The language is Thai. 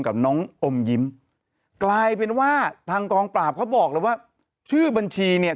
กับน้องอมยิ้มกลายเป็นว่าทางกองปราบเขาบอกเลยว่าชื่อบัญชีเนี่ย